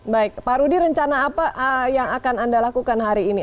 baik pak rudy rencana apa yang akan anda lakukan hari ini